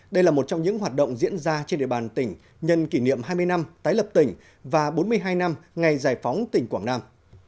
đây là một trong những hoạt động diễn ra trên địa bàn tỉnh nhân kỷ niệm hai mươi năm tái lập tỉnh và bốn mươi hai năm ngày giải phóng tỉnh quảng nam